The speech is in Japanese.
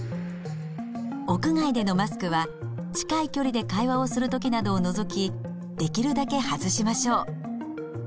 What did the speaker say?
屋外でのマスクは近い距離で会話をする時などを除きできるだけ外しましょう。